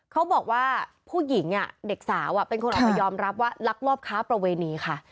เขาบอกว่าผู้หญิงเด็กสาวเป็นคนออกมายอมรับว่าลักลอบค้าประเวณีค่ะ